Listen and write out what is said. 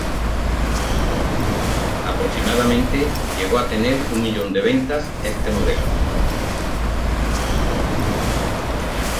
Aproximadamente llegó a tener un millón de ventas este modelo.